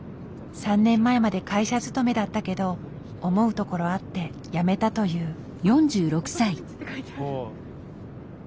３年前まで会社勤めだったけど思うところあって辞めたという。